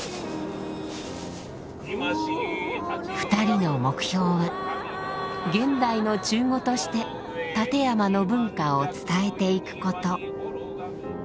２人の目標は現代の中語として立山の文化を伝えていくこと。